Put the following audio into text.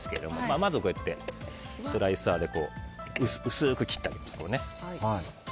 まずスライサーで薄く切ってあげます。